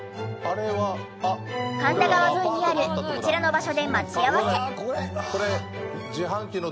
神田川沿いにあるこちらの場所で待ち合わせ。